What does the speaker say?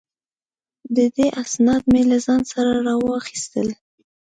د ده اسناد مې له ځان سره را واخیستل.